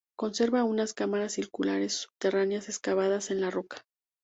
Conserva unas cámaras circulares subterráneas excavadas en la roca.